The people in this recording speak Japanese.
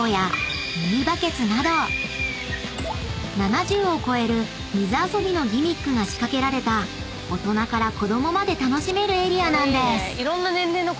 ［７０を超える水遊びのギミックが仕掛けられた大人から子供まで楽しめるエリアなんです］